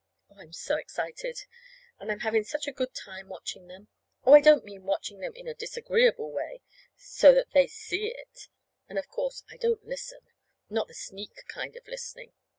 Oh, I'm so excited! And I'm having such a good time watching them! Oh, I don't mean watching them in a disagreeable way, so that they see it; and, of course, I don't listen not the sneak kind of listening.